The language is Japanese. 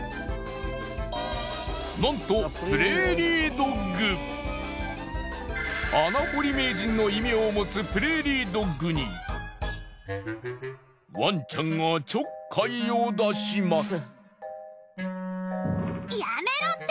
なんと穴掘り名人の異名を持つプレーリードッグにワンちゃんがちょっかいを出します。